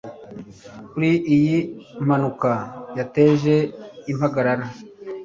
kuri iyi mpanuka yateje impagarara